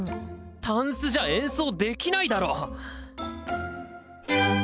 タンスじゃ演奏できないだろ！